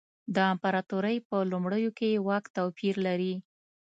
د امپراتورۍ په لومړیو کې یې واک توپیر لري.